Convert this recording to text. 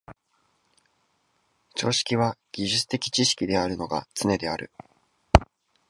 常識は技術的知識であるのがつねである。